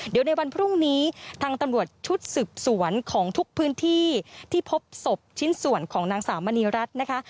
เดี๋ยวในวันพรุ่งนี้ทางตำรวจชุดสืบสวนของทุกพื้นที่ที่พบศพชิ้นส่วนของนางสาวมณีรัฐนะคะ